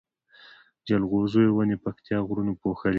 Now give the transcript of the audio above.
جلغوزيو ونی پکتيا غرونو پوښلي دی